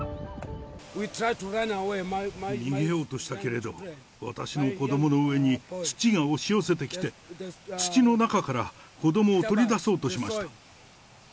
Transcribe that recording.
逃げようとしたけれども、私の子どもの上に土が押し寄せてきて、土の中から子どもを取り出そうとしました。